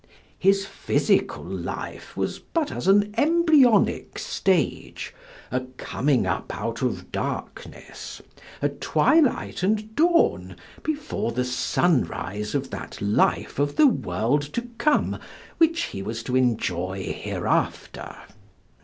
His physical life was but as an embryonic stage, a coming up out of darkness, a twilight and dawn before the sunrise of that life of the world to come which he was to enjoy hereafter.